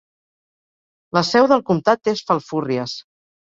La seu del comtat és Falfurrias.